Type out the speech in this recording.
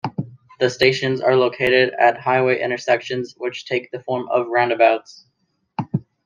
The stations are located at highway intersections which take the form of roundabouts.